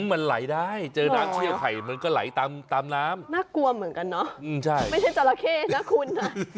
มันไหลได้เจอน้ำเชี่ยวไข่มันก็ไหลตามน้ำน่ากลัวเหมือนกันเนอะไม่ใช่จราเข้นะคุณ